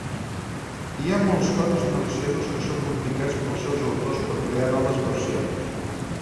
Hi ha molts codis maliciosos que són modificats pels seus autors per crear noves versions.